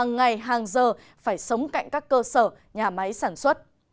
ngày hàng giờ phải sống cạnh các cơ sở nhà máy sản xuất